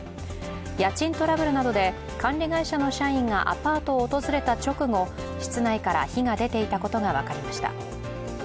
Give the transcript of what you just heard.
家賃トラブルなどで管理会社の社員がアパートを訪れた直後室内から火が出ていたことが分かりました。